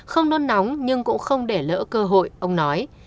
không nôn nóng nhưng cũng không để lỡ cơ hội ông nói